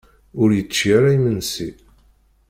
Ur yečči ara imensi.